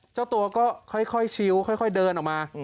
เจ้าตัวก็ค่อยชิวค่อยเดินออกมา